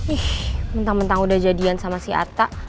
ih mentang mentang udah jadian sama si atta